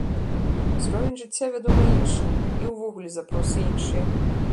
Узровень жыцця, вядома, іншы, і ўвогуле запросы іншыя.